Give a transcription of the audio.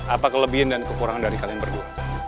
apa kelebihan dan kekurangan dari kalian berdua